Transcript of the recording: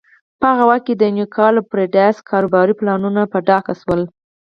په هغه وخت کې د یونیکال او بریډاس کاروباري پلانونه په ډاګه شول.